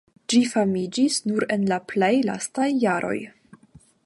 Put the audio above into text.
Ĝi famiĝis nur en la plej lastaj jaroj.